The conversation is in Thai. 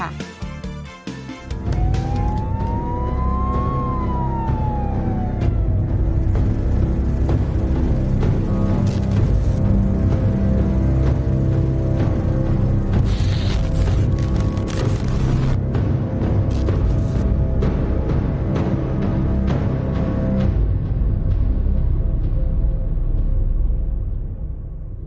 เออ